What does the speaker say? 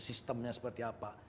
sistemnya seperti apa